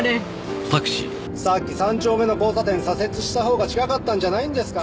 さっき３丁目の交差点左折したほうが近かったんじゃないんですか？